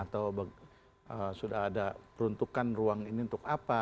atau sudah ada peruntukan ruang ini untuk apa